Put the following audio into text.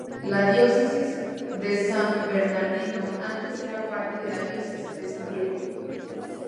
La Diócesis de San Bernardino antes era parte de la Diócesis de San Diego.